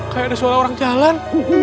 kayak ada suara orang jalan